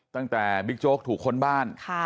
ตั้งแต่บิ๊กโจ๊กถูกค้นบ้านค่ะ